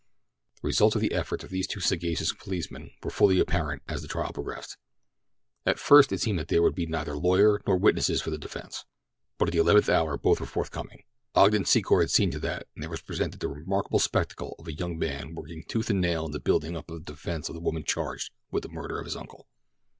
The results of the efforts of these two sagacious policemen were fully apparent as the trial progressed. At first it seemed that there would be neither lawyer nor witnesses for the defense, but at the eleventh hour both were forthcoming. Ogden Secor had seen to that, and there was presented the remarkable spectacle of a young man working tooth and nail in the building up of the defense of the woman charged with the murder of his uncle.